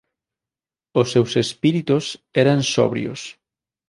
Os seus espíritos eran sobrios.